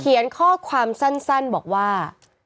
เขียนข้อความสั้นบอกว่า